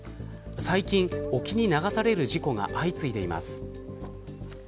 最近、沖に流される事故が相次いでいます。